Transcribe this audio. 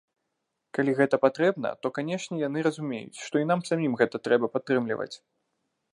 Калі гэта патрэбна, то, канешне, яны разумеюць, што і нам самім гэта трэба падтрымліваць.